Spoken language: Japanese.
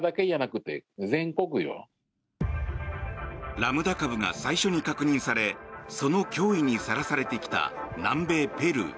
ラムダ株が最初に確認されその脅威にさらされてきた南米ペルー。